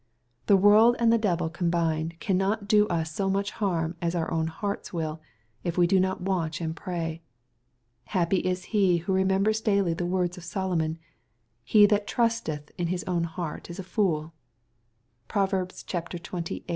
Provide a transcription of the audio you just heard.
The MATTHSW, GHAF. XT. 179 world and the devil combined, cannot do ns bo much harm as our own hearts will, if we do not watch and pray. Happj is he who remembers daily the words of Solomon, '^ He that trusteth in his own heart is a fooL" (Prov. sxviii 26.) MATmEW XV. 21—28.